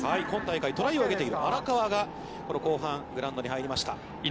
今大会トライを上げている荒川がこの後半、グラウンドに入りました。